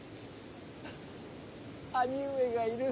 兄上がいる。